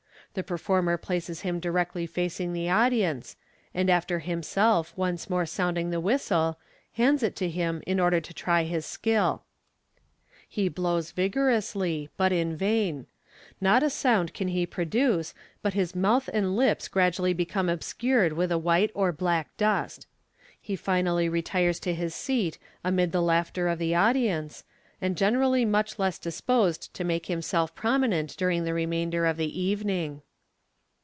The performer places him directly facing the audience, and after himself once more sounding the whistle, hands it to him in order to try his skill. He blows vigorously, but in vain j not a sound can he produce, but his mouth and lips gradually become obscured with a white or black dust. He finally retires to his seat amid the laughter of the audience, and generally much less disposed to make himself prominent during the remainder of the evening.